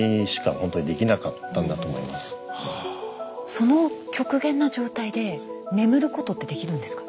その極限な状態で眠ることってできるんですか？